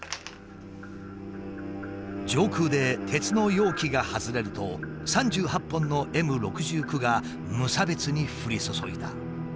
上空で鉄の容器が外れると３８本のＭ６９が無差別に降り注いだ。